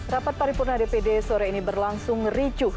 rapat paripurna dpd sore ini berlangsung ricuh